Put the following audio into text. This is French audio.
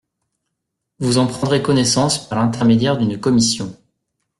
Vous en prendrez connaissance par l'intermédiaire d'une commission.